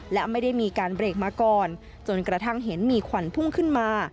และไม่ได้มีการเบรกมาก่อนจนกระทั่งเห็นมีควันพุ่งขึ้นมา